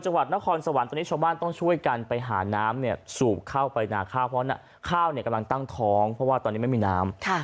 จังหวัดนครสวรรค์ตอนนี้ชาวบ้านต้องช่วยกันไปหาน้ำเนี่ยสูบเข้าไปนาข้าวเพราะข้าวกำลังตั้งท้องเพราะว่าตอนนี้ไม่มีน้ำ